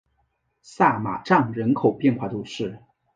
萨马藏人口变化图示